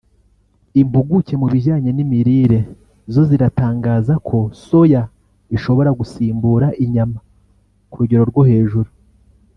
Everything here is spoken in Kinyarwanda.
impuguke mu bijyanye n’imirire zo ziratangaza ko Soya ishobora gusimbura inyama ku rugero rwo hejuru